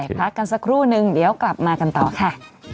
พักกันสักครู่นึงเดี๋ยวกลับมากันต่อค่ะ